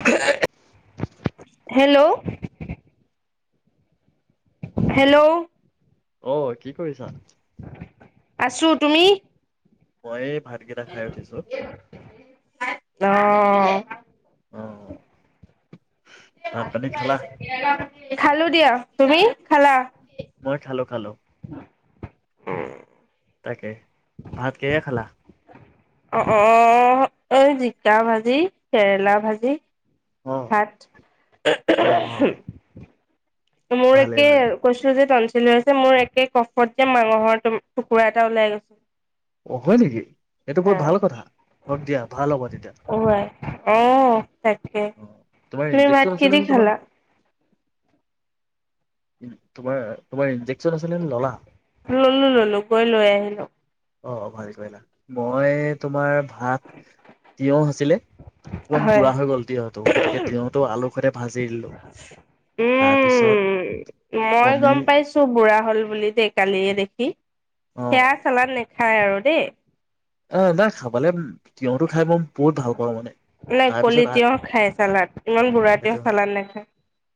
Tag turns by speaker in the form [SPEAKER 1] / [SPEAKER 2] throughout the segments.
[SPEAKER 1] [unintelligible] Hello. Hello.
[SPEAKER 2] অ', কি কৰিছা?
[SPEAKER 1] আছো। তুমি?
[SPEAKER 2] মই ভাতকেইটা খাই উঠিছোঁ।
[SPEAKER 1] অ
[SPEAKER 2] ভাত পানী খালা
[SPEAKER 1] খালো দিয়া। তুমি খালা?
[SPEAKER 2] মই খালো, খালো। তাকে, ভাত কিহে খালা?
[SPEAKER 1] অ', অ', অ', এই জিকা ভাজি, কেৰেলা ভাজি।
[SPEAKER 2] অ
[SPEAKER 1] ভাত
[SPEAKER 2] অ অ
[SPEAKER 1] মোৰ
[SPEAKER 2] ভালে
[SPEAKER 1] একে
[SPEAKER 2] ভালে
[SPEAKER 1] কৈছো যে তন [unintelligible] ছে মোৰ একে কফত যে মাংসৰ টুকুৰা এটা ওলাই গৈ।
[SPEAKER 2] অ, হয় নেকি? এইটো বৰ ভাল কথা। হওক দিয়া ভাল হ'ব তেতিয়া।
[SPEAKER 1] অ অ তাকে
[SPEAKER 2] তোমাৰ
[SPEAKER 1] তুমি ভাত
[SPEAKER 2] ইনজেকচন
[SPEAKER 1] কি
[SPEAKER 2] আছিলে
[SPEAKER 1] দি
[SPEAKER 2] নে তোমাৰ?
[SPEAKER 1] খালা
[SPEAKER 2] তোমাৰ তোমাৰ ইনজেকচন আছিলে নে ললা
[SPEAKER 1] ললো, ললো গৈ লৈ আহিলো।
[SPEAKER 2] অ ভাল কৰিলা। মই তোমাৰ ভাত তিয়ঁহ আছিলে, অকমান
[SPEAKER 1] হয়
[SPEAKER 2] বুঢ়া হৈ গল তিয়হটো, গতিকে তিয়হটো আলুৰ সতে ভাজি দিলো। তাৰপিছত
[SPEAKER 1] উম, মই
[SPEAKER 2] কণী
[SPEAKER 1] গম পাইছো বুঢ়া হ'ল বুলি দেই কালিয়ে দেখি।
[SPEAKER 2] অ
[SPEAKER 1] সেয়া চলা না খাই আৰু দেই।
[SPEAKER 2] অ নাই খাবালে তিয়হটো খাই মই বহুত ভাল পাওঁ। মানে,
[SPEAKER 1] নাই কলি
[SPEAKER 2] তাৰপিছত ভাত,
[SPEAKER 1] তিয়হ খায় চালাদ, ইমান বুঢ়া তিয়হ চালাদ নাখায়।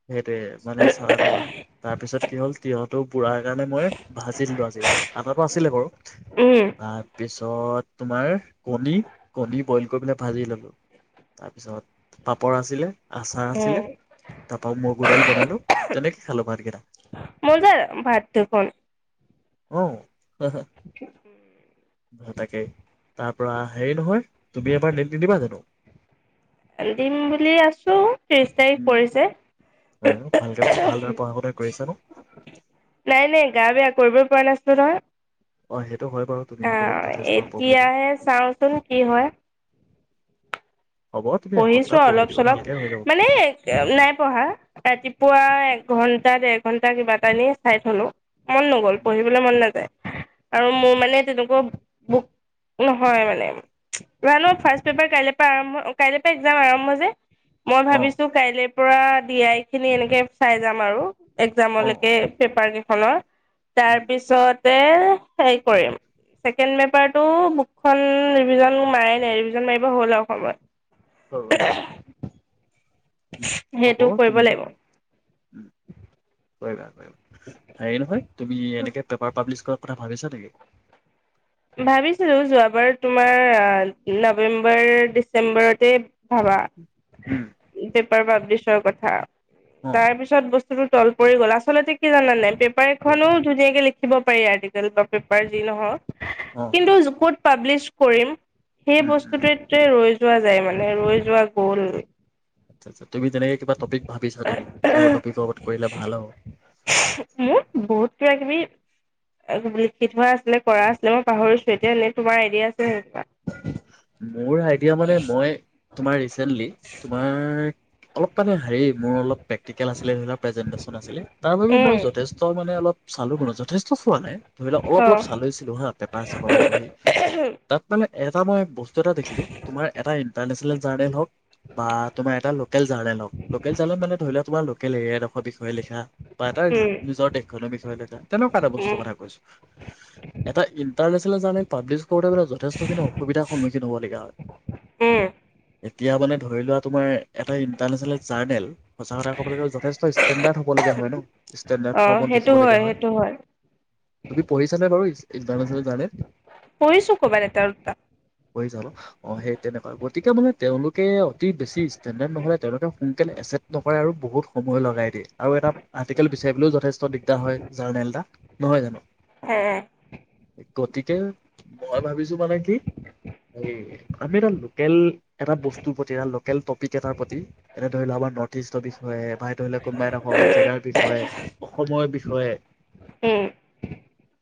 [SPEAKER 2] সেইটোৱেই। তাৰপিছত কি হ'ল, তিয়হটো বুঢ়া হোৱাৰ কাৰণে মই ভাজি দিলোঁ। আজি আটাটো আছিলে বাৰু।
[SPEAKER 1] উম,
[SPEAKER 2] তাৰপিছত তো তোমাৰ কণী-কণী বয়ল কৰি পেলাই ভাজি ল'লো। তাৰপিছত পাপড় আছিলে। আচাৰ আছিলে।
[SPEAKER 1] উম,
[SPEAKER 2] তাৰপাছত মগুৰ দাইল বনালো। তেনেকৈ ভাতকেইটা খালো।
[SPEAKER 1] মোৰ যে ভাত দুখন
[SPEAKER 2] অ' তাকেই তাৰ পৰা হেৰি নহয়, তুমি এবাৰ নেট নিদিবা জানো?
[SPEAKER 1] দিম বুলি আছো ত্ৰিশ তাৰিখ
[SPEAKER 2] উম,
[SPEAKER 1] পৰিছে।
[SPEAKER 2] হয়, ন? ভালকে, ভালদৰে পঢ়া শুনা কৰিছা নে?
[SPEAKER 1] নাই নাই গা বেয়া [unintelligible]
[SPEAKER 2] অ', সে
[SPEAKER 1] অ', এতিয়াহে চাওঁচোন, কি হয়।
[SPEAKER 2] হ'ব তুমি এসপ্তাহ
[SPEAKER 1] পঢ়িছোঁ
[SPEAKER 2] পঢ়ি
[SPEAKER 1] অলপ
[SPEAKER 2] দিবা
[SPEAKER 1] চলপ
[SPEAKER 2] ভালকে হৈ যাব।
[SPEAKER 1] মানে নাই, পঢ়া ৰাতিপুৱা এক ঘণ্টা, ডেৰ ঘণ্টা কিবা কালিয়ে চাই থ'লো। মন নগ'ল, পঢ়িবলৈ মন নাযায়। আৰু মোৰ মানে তেনেকুৱা বুক-নহয় মানে জানো, ফাষ্ট পেপাৰ কাইলৈ পৰা আৰম্ভ কাইলৈ পা একজাম আৰম্ভ যে মই
[SPEAKER 2] অ
[SPEAKER 1] ভাৱিছো কাইলে পৰা দিয়াই খিনি এনেকে চাই যাম আৰু।
[SPEAKER 2] অ
[SPEAKER 1] এগ্জামলৈকে
[SPEAKER 2] অ
[SPEAKER 1] পেপাৰ কে হেল্ল' তাৰ পিছত এহ [unintelligible] কৰিম, ছেকেণ্ড পেপাৰটো বুকখন ৰিভিজন মাৰাই‌ নাই, ৰিভিজন মাৰিব হ'ল আৰু সময়।
[SPEAKER 2] হৈ গ'ল আও।
[SPEAKER 1] সেইটো কৰিব লাগিব।
[SPEAKER 2] উম, [unintelligible] হেৰি নহয় তুমি এনেকে পেপাৰ পাবলিছ কৰ কথা ভাবিছা নেকি?
[SPEAKER 1] ভাৱিছিলো, যোৱাবাৰ তোমাৰ নৱেম্বৰ ডিচেম্বৰতে ভাৱা। তেত [unintelligible] কথা
[SPEAKER 2] অ
[SPEAKER 1] তাৰ পিছত বচ সেইটো তল পৰি গ'ল। আচলতে কি জানা নাই? [unintelligible] এখনো ধুনীয়াকে লিখ খিব পাৰি আৰ্টিকেল বা পেপাৰ যি নহওঁক।
[SPEAKER 2] অ
[SPEAKER 1] কিন্তু [unintelligible] পাব্লিছ কৰিম। সেই বস্তু [unintelligible] যোৱা যায় মানে ৰৈ যোৱা গ'ল।
[SPEAKER 2] [unintelligible] তুমি তেনেকে কিবা টপিক ভাবিছা নেকি, কিহৰ টপিকৰ ওপৰত কৰিলে ভাল হ'ব?
[SPEAKER 1] মোৰ বহুত কিবা কিবি লিখি থোৱা আছিলে, কৰা আছিলে, মই পাহৰিছো এতিয়া, নে তোমাৰ আইডিয়া আছে [unintelligible]
[SPEAKER 2] মোৰ আইডিয়া মানে মই, তোমাৰ ৰিচেণ্টলি, তোমাৰ অলপ [unintelligible] হেৰি মোৰ অলপ প্ৰেক্টিকেল আছিলে ধৰি লোৱা প্ৰেজেণ্টেচন আছিলে, তাৰ বাবে মই
[SPEAKER 1] উম
[SPEAKER 2] যথেষ্ট মানে অলপ চালো ম যথেষ্ট চোৱা নাই, ধৰি লোৱা অলপ
[SPEAKER 1] অ
[SPEAKER 2] অলপ চালৈছিলো হা পেপাৰ চেপাৰ বোৰ পঢ়ি। তাত মানে তামানে বচ [unintelligible] দেখিলোঁ, তোমাৰ এটা ইণ্টাৰনেচনেল জাৰ্ণেল হওঁক, বা তোমাৰ এটা লোকেল জাৰ্ণেল হওঁক, লোকেল জাৰ্ণেল মানে ধৰি লোৱা তোমাৰ ল [unintelligible] সবিষয়ে লিখা, বা এটা
[SPEAKER 1] উম
[SPEAKER 2] নিজৰ দেশখনৰ বিষয়ে লিখা, তেনেকুৱা এটা বস্তুৰ
[SPEAKER 1] উম
[SPEAKER 2] কথা কৈছোঁ। এটা ইণ্টাৰনেচনেল জাৰ্ণেল পাব্লিছ কৰোঁতে [unintelligible] যথেষ্টখিনি সন্মুখীন হ'বলীয়া হয়।
[SPEAKER 1] উম।
[SPEAKER 2] এতিয়া মানে ধৰি লোৱা তোমাৰ এটা ইণ্টাৰনেশচনেল জাৰ্নেল, সচাঁ কথা ক'বলৈ গ'লে যথেষ্ট ষ্টেণ্ডাৰ্ড হ'বলগীয়া হয় ন। ষ্টেণ্ডাৰ্ড
[SPEAKER 1] অ'
[SPEAKER 2] ফৰ্মত
[SPEAKER 1] সেইটো
[SPEAKER 2] দেখিবলগীয়া হয়।
[SPEAKER 1] সেইটো
[SPEAKER 2] তুমি পঢ়িছানে বাৰু ইণ্টাৰনেচনেল জাৰ্নেল।
[SPEAKER 1] পঢ়িছো ক'ৰবাত এটা দুটা।
[SPEAKER 2] পঢ়িচা ন। অহ ', সেই তেনেকুৱা ক'ত গতিকে মানে তেওঁলোকে অতি বেছি ষ্টেণ্ডাৰ্ড নহ'লে তেওঁলোকে সোনকালে এচেপ্ট নকৰে আৰু বহুত সময় লগাই দিয়ে, আৰু এটা আৰ্টিকেল বিচাৰিবলৈও যথেষ্ট দিগদাৰ হয়, জাৰ্নেল এটা নহয় জানো।
[SPEAKER 1] হে
[SPEAKER 2] গতিকে মই ভাবিছোঁ মানে কি এই আমি এটা লোকেল, এটা বস্তুৰ প্ৰতি এটা লোকেল টপিক এটাৰ প্ৰতি, এনে ধৰি লোৱা আমাৰ নৰ্থ ইষ্টৰ বিষয়ে কোনবাই ধৰিলে কোনোবা এটা সহজ জেগাৰ বিষয়ে, অসমৰ বিষয়ে।
[SPEAKER 1] উম',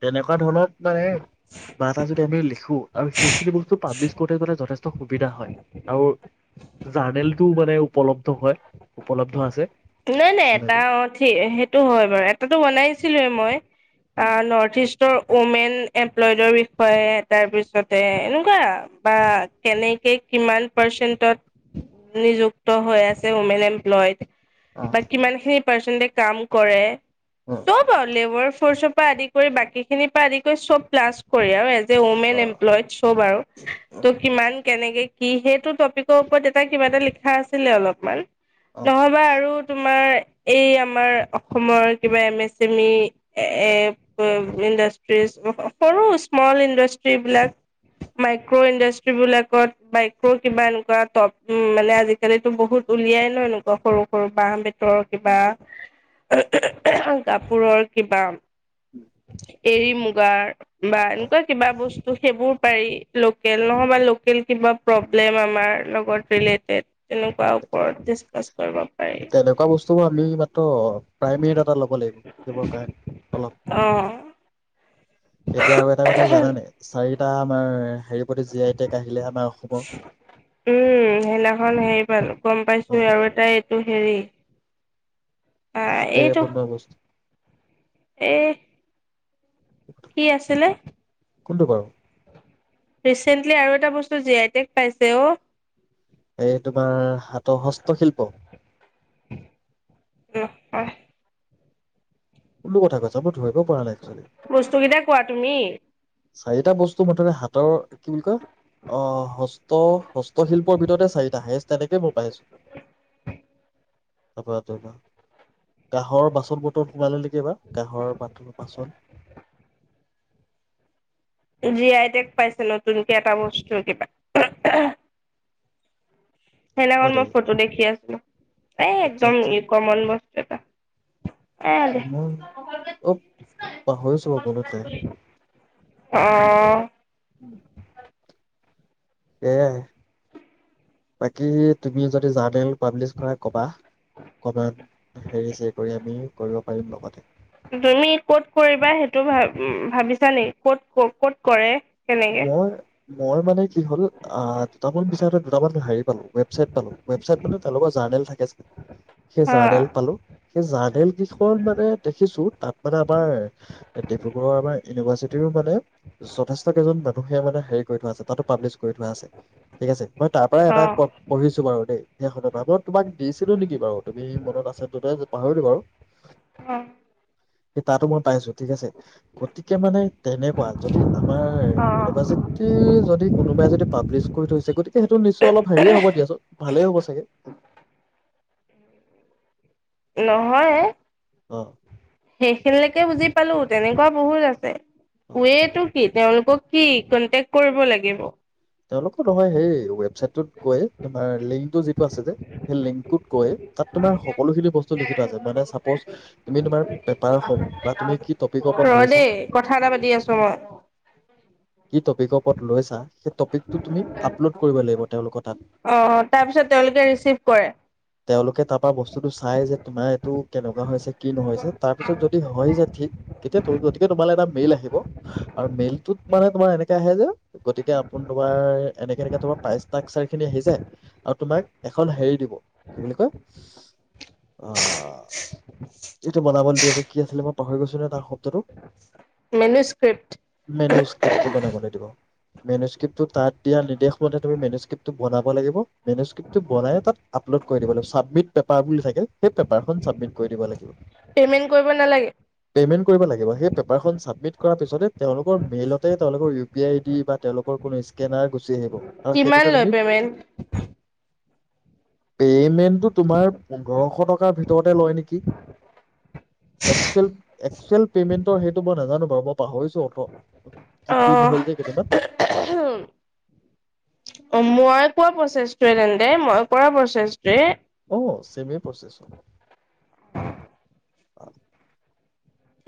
[SPEAKER 2] তেনেকুৱা ধৰণৰ মানে, কিবা এটা যদি আমি লিখোঁ। সেইখিনি বস্তু পাব্লিছ কৰোতে মানে যথেষ্ট সুবিধা হয়, আৰু জাৰ্নেলটো মানে উপলব্ধ হয়, উপলব্ধ আছে।
[SPEAKER 1] নাই- নাই এটা
[SPEAKER 2] তেনেকুৱা
[SPEAKER 1] অহ ', ঠি সেইটো হয় বাৰু এটাতটো বনাইছিলোঁ এ মই।
[SPEAKER 2] উম,
[SPEAKER 1] অহ ', নৰ্থ ইষ্টৰ উমেন এমপ্লয়ডৰ বিষয়ে তাৰপিছতে এনেকুৱা আৰু, বা কেনেকে কিমান পাৰ্চেণ্টত, নিযুক্ত হৈ আছে উমেন এমপ্লয়ড।
[SPEAKER 2] অ
[SPEAKER 1] বা কিমান খিনি পাৰ্চেণ্টে কাম কৰে।
[SPEAKER 2] অ
[SPEAKER 1] চ'ব আৰু লেৱা ফৰ্চৰ পৰা আদি কৰি বাকী খিনিৰ পৰা আদি কৰি চব প্লাছ কৰে আৰু যে উমেন
[SPEAKER 2] অ
[SPEAKER 1] এমপ্লয়ড চ'ব আৰু,
[SPEAKER 2] অ
[SPEAKER 1] ত', কিমান কেনেকে কি সেইটো টপিকৰ ওপৰত এটা কিবা এটা লিখা আছিলে অলপমান।
[SPEAKER 2] অ
[SPEAKER 1] নহ'বা আৰু তোমাৰ এই আমাৰ অসমৰ কিবা এম এছ ছেমি এ - এ ইণ্ডাষ্ট্ৰিজ সৰু স্মল ইণ্ডাষ্ট্ৰ্ৰী বিলাক, মাইক্ৰ ইণ্ডাষ্ট্ৰ্ৰী বিলাকত, মাইক্ৰ কিবা এনেকুৱা টপ মানে আজিকালিতো বহুত উলিয়াই ন এনেকুৱা সৰু [unintelligible] তৰ কিবা। কাপোৰৰ কিবা। [inaudible] এৰী মুগাৰ বা
[SPEAKER 2] অ
[SPEAKER 1] এনেকুৱা কিবা বস ত ', সেইবোৰ পাৰি। লোকেল
[SPEAKER 2] অ
[SPEAKER 1] নহ'বা লো [unintelligible] কিবা প্ৰব্লেম আমাৰ লগৰ ৰিলেটেড তেনেকুৱা
[SPEAKER 2] সেইটোৱে
[SPEAKER 1] ওপৰত ডিচকাচ কৰিব
[SPEAKER 2] তেনেকুৱা বস্তুবোৰ আমি মাত্ৰ প্ৰাইমেৰ ডাটা ল'ব লাগিব শিকিবৰ কাৰণে অলপ
[SPEAKER 1] অ
[SPEAKER 2] এতিয়া আৰু এটা কথা জানানে চাৰি টা আমাৰ হেৰি প্ৰতি জি আই টেক আহিলে আমাৰ অসমৰ
[SPEAKER 1] ওৱেল গম পাইছো
[SPEAKER 2] অ
[SPEAKER 1] হে আৰু এটা এইটো ৰি আহ
[SPEAKER 2] হাতেৰে
[SPEAKER 1] এইটো
[SPEAKER 2] বনোৱা বস্তু
[SPEAKER 1] এ কি আছিলে
[SPEAKER 2] কোনটো বাৰু
[SPEAKER 1] ৰিচেন্টলি আৰু এটা বস্তু জি আই টেক পাইছে অ'
[SPEAKER 2] এই তোমাৰ হাতৰ হস্তশিল্প
[SPEAKER 1] হয়
[SPEAKER 2] কোনো কথা কৈছ
[SPEAKER 1] বস্তুকেইটা কোৱা তুমি
[SPEAKER 2] চাৰিটা বস্ তো মুঠতে হাতৰ কি বুলি কয় আহ হস্ত হস্তশিল্পৰ ভিতৰতে চাৰিটা সেই তেনেকেই মই পাইছো তাপা তাপা কাঁহৰ বাচন বৰ্তন সোমালে নেক কি এবা কাহৰ বাতল পাচল
[SPEAKER 1] জি আই তেগ পাইছে নতুনকে এটা বস্তু কিবা সেনাখন
[SPEAKER 2] হয়
[SPEAKER 1] মই
[SPEAKER 2] নেকি
[SPEAKER 1] ফটো দেখি আছিলোঁ এ
[SPEAKER 2] আচ্ছা
[SPEAKER 1] একদম
[SPEAKER 2] আচ্ছা
[SPEAKER 1] ই কমন বস্ এটা এ দে
[SPEAKER 2] মই অব পাহৰিছো মই মনত নাই
[SPEAKER 1] অ
[SPEAKER 2] সেয়াই বাকী তুমি যদি জাৰ্নেল পাব্লিছ কৰাই কবাহ কময়ত হেৰি চেৰি কৰি আমি কৰিব পাৰিম লগতে।
[SPEAKER 1] তুমি কত কৰিবা সেইটো ভ ভাবিছ ছানি ক'ত ক ক'ত কৰে। কেনেকে
[SPEAKER 2] মই মই মানে কি হ'ল আহ দুটামান বিচাৰোতে দুটামান হেৰি পালো, ৱেবচাইট পালো। ৱেবচাইট মানে তেওঁলোকৰ জাৰ্নেল থাকে সেই
[SPEAKER 1] হা
[SPEAKER 2] জাৰ্নেল পালো সেই জাৰ্নেল কেইখন মানে দেখিছো তাত মানে আমাৰ ডিব্ৰুগড়ৰ আমাৰ ইউনিভাৰ্চিটিৰো মানে যথেষ্ট মানুহে মানে কৰি থোৱা আছে, তাতো পাব্লিছ কৰি থোৱা আছে, ঠিক আছে মই তাৰ পৰাই
[SPEAKER 1] অ
[SPEAKER 2] এটা পঢ়িছো বাৰু দেই সেইখনৰ পৰা মই তোমাক দিছিলো নেকি বাৰু তুমি মনত আছা ততে পাহৰিলো বাৰু। [inaudible]
[SPEAKER 1] অঁ
[SPEAKER 2] তাতো মই পাইছো ঠিক আছে, গতিকে মানে তেনেকুৱা যদি আমাৰ
[SPEAKER 1] অ
[SPEAKER 2] ইউনিভাৰ্চিটিত যদি কোনোবাই যদি পাব্লিছ কৰি হৈছে গতিকে সেইটো নিশ্চয় অলপ হেৰি হবই দিয়া চোন। ভালেই হ'ব চাগে।
[SPEAKER 1] নহয় এ।
[SPEAKER 2] অঁ
[SPEAKER 1] সেইখিনিলৈকে বুজি পালো তেনেকুৱা বহুত আছে।
[SPEAKER 2] অ
[SPEAKER 1] ৱেটো কি? তেওঁলোকক কি কনটেক্ট কৰিব লাগিব।
[SPEAKER 2] তেওঁলোকক নহয় সেই ৱেবছাইটোত গৈ তোমাৰ লিংকটো যিটো আছে যে সেই লিংক টোত গৈ তাত তোমাৰ সকলো খিনি বস্তু লিখি থোৱা আছে। মানে চাপোচ তুমি তোমাৰ পেপাৰ খন বা তুমি কি টপিকৰ ওপৰত
[SPEAKER 1] ৰ'
[SPEAKER 2] লৈছা,
[SPEAKER 1] দেই কথা এটা পাতি আছো মই।
[SPEAKER 2] কি টপিকৰ ওৰত লৈছা সেইটো টপিকটো তুমি আপলোড কৰিব লাগিব তেওঁলোকৰ তাত।
[SPEAKER 1] অ' তাৰপিছত তেওঁলোকে ৰিচিভ কৰে
[SPEAKER 2] তেওঁলোকে তাৰ পৰা বস্তুটো চাই যে তোমাৰ এইটো কেনেকুৱা হৈছে কি নহয়ছে তাৰ পিছত যদি হয় যে ঠিক তেতিয়া ত গতিকে তোমালে এটা মেইল আহিব আৰু মেইলত মানে তোমাৰ এনেকে আহে যে, গতিকে তোমাৰ এনেকে এনেকে তোমাৰা তাই ষ্টাগচাৰ খিনি আহি যায়, আৰু তোমাক এখন হেৰি দিব কি বুলি কয় অ এইটো বনাবলৈ দিয়ে যে কি আছিলে মই পাহৰি গৈছোঁ নহয় তাৰ শব্দটো।
[SPEAKER 1] মেনু স্ক্ৰিপ্ট
[SPEAKER 2] মেনু স্ক্ৰিপ্টটো কোনে কোনে দিব। মেনু স্ক্ৰিপটো তাত দিয়া নিৰ্দেশ মতে তুমি মেুস্ক্ৰিপটো বনাব লাগিব, মেুস্ক্ৰিপটো বনাই তাত আপলোড কৰি দিব লাগিব ছাবমিট পেপাৰ বুলি থাকে সেই পেপাৰখন চাবমিট কৰি দিব লাগিব।
[SPEAKER 1] পেমেন্ট কৰিব নালাগে।
[SPEAKER 2] পে'মেণ্ট কৰিব লাগিব সেই পেপাৰখন চাবমিট কৰাৰ পিছতে তেওঁলোকৰ মেইলতে তেওঁলোকৰ U P I I D বা তেওঁলোকৰ কোনো স্কেনাৰ গুচি আহিব। আৰু
[SPEAKER 1] কিমান
[SPEAKER 2] সেইটোতে
[SPEAKER 1] লয়
[SPEAKER 2] তুমি
[SPEAKER 1] পেমেণ্ট?
[SPEAKER 2] পে'মেণ্টটো তোমাৰ পোন্ধৰশ টকাৰ ভিতৰতে লয় নেকি। একচুৱেল একচুৱেল পেমেণ্ট টো সেইটো মই নাজানো বাৰু মই পাহৰিছো অ। দিন হ'ল যে কেইদিন মান।
[SPEAKER 1] অ', মই কোৱা প্ৰচেছটোৱে তেন্তে, মই কৰা প্ৰচেছটোৱে
[SPEAKER 2] অ', চেমেয়ে প্ৰচেছ
[SPEAKER 1] [inaudible]
[SPEAKER 2] অ'।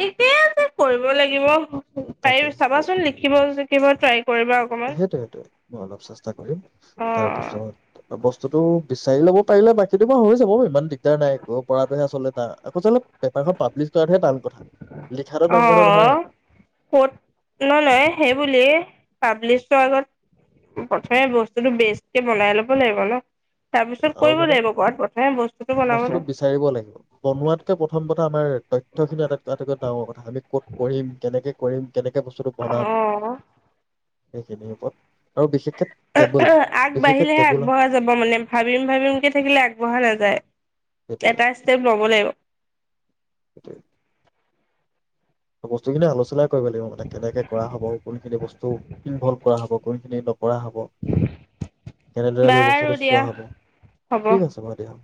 [SPEAKER 1] ঠিকেই আছে কৰিব লাগিব। পাৰ-চাবাচোন লিখিব যে কি ট্ৰাই কৰিবা অকমান।
[SPEAKER 2] সেইটো, সেইটোয়ে মই অলপ চেষ্টা কৰিম
[SPEAKER 1] অ'
[SPEAKER 2] তাৰপিছত বস্তুটো বিচাৰি ল'ব পাৰিলে বাক সেইটো বাৰু হৈ যাব ইমান দিগদাৰ নাই একো পৰাটোহে আচলতে আচল-পেপাৰখন পাব্লিছ কৰাটোহে টান কথা। লিখাটো ডাঙৰ কথা নহয়
[SPEAKER 1] অ', ক'ত ন, ন সেইবুলি পাব্লিছৰ আগত প্ৰথমে বস্তুটো বেচকে বনাই ল'ব লাগিব ন? তাৰপিছত
[SPEAKER 2] আৰু
[SPEAKER 1] কৰিব
[SPEAKER 2] মানে
[SPEAKER 1] লাগিব ঘৰত প্ৰথমে বস্তুটো বনাব
[SPEAKER 2] বস্তুটো
[SPEAKER 1] লাগিব
[SPEAKER 2] বিচাৰিব লাগিব, বনোৱাতকে প্ৰথম কথা আমাৰ তথ্যখিনি আটা-আটাইকৈ ডাঙৰ কথা আমি ক'ত কৰিম কেনেকে কৰিম। কেনেকে বস্তুটো বনাম
[SPEAKER 1] অ'।
[SPEAKER 2] সেইখিনিৰ ওপৰত। আৰু বিশেষ
[SPEAKER 1] আগবাঢ়িলেহে আগবঢ়া যাব মানে ভাবিম ভাবিমকে থাকিলে আগবঢ়া নাযায়।
[SPEAKER 2] সেইটোৱে
[SPEAKER 1] এটা ষ্টেপ লব লাগিব।
[SPEAKER 2] [inaudible] বস্তুখিনি আলোচনা কৰিব লাগিব মানে, কেনেকে কৰা হব কোনখিনি বস্তু ইণভলব কৰা হব, কোনখিনি নক কৰা হ'ব। কেনেদৰে আমি
[SPEAKER 1] বাৰু
[SPEAKER 2] বছৰটো
[SPEAKER 1] দিয়া
[SPEAKER 2] চোৱা হ'ব।
[SPEAKER 1] হ'ব।
[SPEAKER 2] ঠিক আছে বাৰু দিয়া।